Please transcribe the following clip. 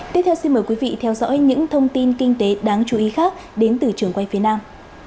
tiếp theo xin mời quý vị theo dõi những thông tin kinh tế đáng chú ý khác đến từ trường quay phía nam